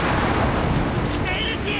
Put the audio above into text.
エルシー！